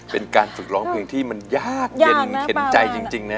เป็นการฝึกร้องเพลงที่มันยากเย็นเข็นใจจริงนะ